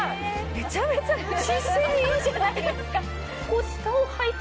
めちゃめちゃ姿勢いいじゃないですか。